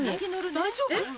大丈夫？